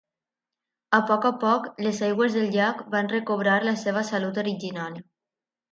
A poc a poc, les aigües del llac van recobrar la seva salut original.